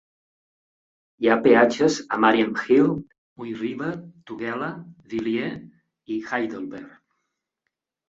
Hi ha peatges a Marianhill, Mooiriver, Tugela, Villiers i Heidelberg.